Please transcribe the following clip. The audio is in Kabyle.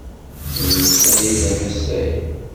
D netta ay d amasay.